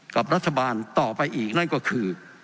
กับรัฐบาลต่อไปอีกนั่นก็คือ